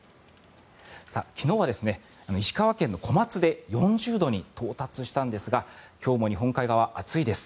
昨日は石川県の小松で４０度に到達したんですが今日も日本海側、暑いです。